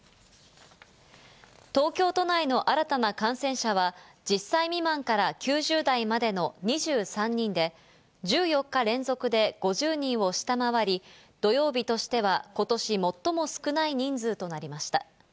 東京都内の新たな感染者は、１０歳未満から９０代までの２３人で、１４日連続で５０人を下回り、土曜日としてはことし最も少ない人数となりました。